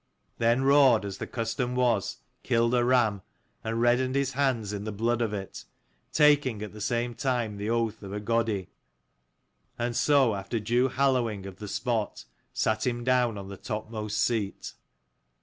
Then Raud, as the custom was, killed a ram, and reddened his hands in the blood of it ; taking at the same time the oath of a Godi : and so after due hallowing of the spot, sat him down on the topmost seat.